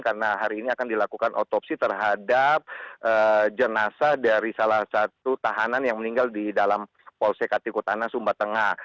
karena hari ini akan dilakukan otopsi terhadap jenazah dari salah satu tahanan yang meninggal di dalam polsekatikutana sumba tengah